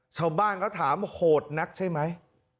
ชาวบ้านเขาถามโหดนักใช่ไหม